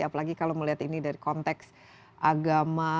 apalagi kalau melihat ini dari konteks agama